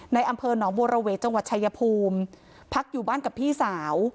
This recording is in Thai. อำเภอหนองบัวระเวจังหวัดชายภูมิพักอยู่บ้านกับพี่สาว